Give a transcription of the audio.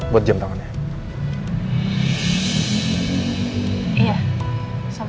buat jam tangannya